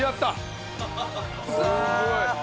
すごい！